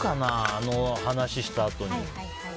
あの話をしたあとに。